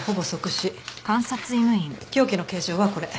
凶器の形状はこれ。